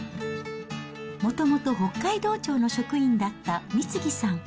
もともと北海道庁の職員だった美次さん。